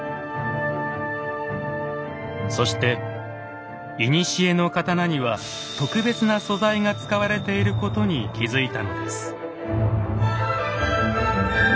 そして古の刀には特別な素材が使われていることに気付いたのです。